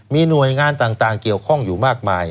มีหน่วยงานต่างเกี่ยวข้องอยู่มากมาย